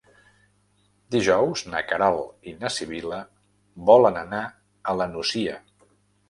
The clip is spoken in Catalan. Dijous na Queralt i na Sibil·la volen anar a la Nucia.